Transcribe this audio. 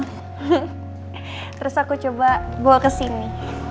terus aku coba bawa kesini